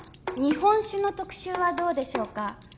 日本酒の特集はどうでしょうか？